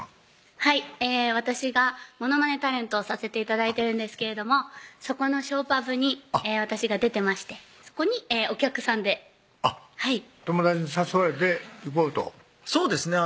はい私がモノマネタレントをさせて頂いてるんですけれどもそこのショーパブに私が出てましてそこにお客さんであっ友達に誘われて行こうとそうですね